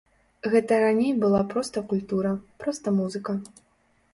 Гэта раней была проста культура, проста музыка.